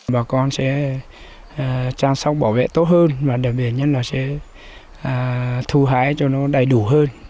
bà con sẽ chăm sóc bảo vệ tốt hơn và đặc biệt nhất là sẽ thu hái cho nó đầy đủ hơn